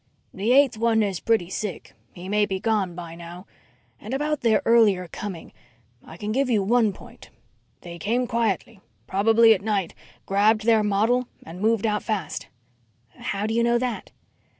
"The eighth one is pretty sick. He may be gone by now. And about their earlier coming, I can give you one point. They came quietly, probably at night, grabbed their model, and moved out fast." "How do you know that?"